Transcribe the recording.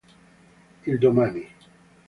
Il Domani